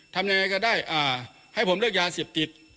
ทำยังไงก็ได้ให้ผมเลือกยาเสียบจิต